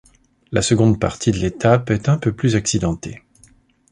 La seconde partie de l'étape est un peu plus accidentée.